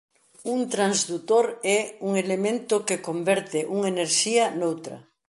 Un transdutor é un elemento que converte unha enerxía noutra.